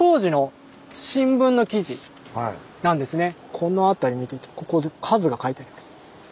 この辺り見てここで数が書いてあります。